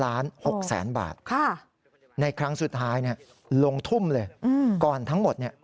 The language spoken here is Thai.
ล้าน๖แสนบาทในครั้งสุดท้ายลงทุ่มเลยก่อนทั้งหมดเนี่ย